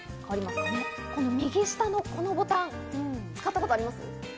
右下のこのボタン、使ったことあります？